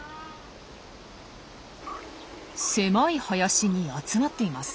狭い林に集まっています。